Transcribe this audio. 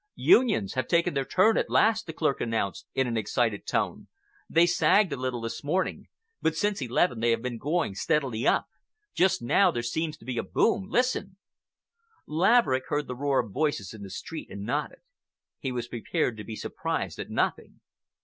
"'Unions' have taken their turn at last!" the clerk announced, in an excited tone. "They sagged a little this morning, but since eleven they have been going steadily up. Just now there seems to be a boom. Listen." Laverick heard the roar of voices in the street, and nodded. He was prepared to be surprised at nothing.